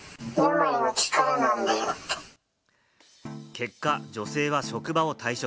結果、女性は職場を退職。